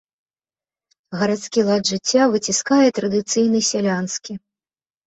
Гарадскі лад жыцця выціскае традыцыйны сялянскі.